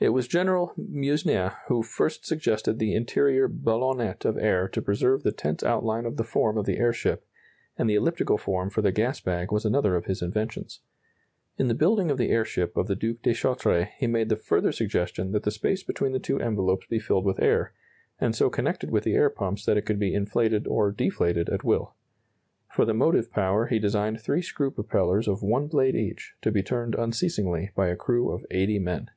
It was General Meusnier who first suggested the interior ballonnet of air to preserve the tense outline of the form of the airship, and the elliptical form for the gas bag was another of his inventions. In the building of the airship of the Duke de Chartres he made the further suggestion that the space between the two envelopes be filled with air, and so connected with the air pumps that it could be inflated or deflated at will. For the motive power he designed three screw propellers of one blade each, to be turned unceasingly by a crew of eighty men.